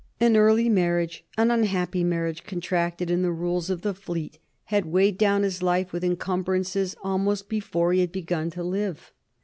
An early marriage, an unhappy marriage contracted in the Rules of the Fleet, had weighed down his life with encumbrances almost before he had begun to live.